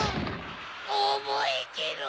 おぼえてろ！